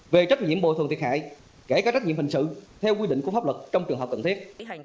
về trách nhiệm bồi thường thiệt hại kể cả trách nhiệm hình sự theo quy định của pháp luật trong trường hợp cần thiết